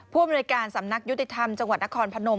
อำนวยการสำนักยุติธรรมจังหวัดนครพนม